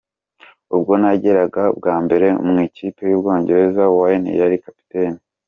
"Ubwo nageraga bwa mbere mu ikipe y'Ubwongereza, Wayne yari kapiteni.